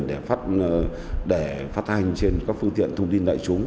để phát hành trên các phương tiện thông tin đại chúng